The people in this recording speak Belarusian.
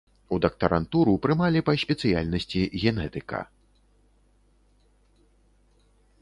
У дактарантуру прымалі па спецыяльнасці генетыка.